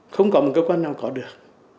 không có một cơ quan nào có được